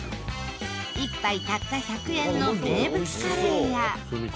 １杯たった１００円の名物カレーや。